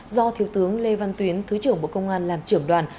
do thiếu tướng lê văn tuyến thứ trưởng bộ công an làm trưởng đoàn